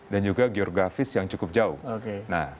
dan kebiasaan dari pelaku bisnis yaitu ke eropa dan amerika